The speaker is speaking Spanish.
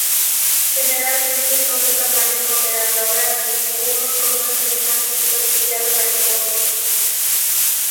Generalmente son de tamaño moderado a grande, algunos con una semejanza superficial a mariposas.